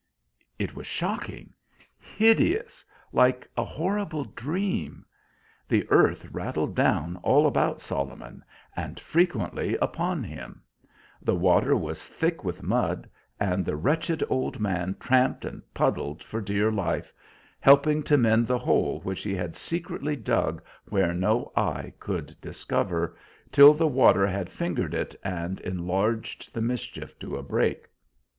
It was shocking, hideous, like a horrible dream. The earth rattled down all about Solomon, and frequently upon him; the water was thick with mud, and the wretched old man tramped and puddled for dear life, helping to mend the hole which he had secretly dug where no eye could discover, till the water had fingered it and enlarged the mischief to a break.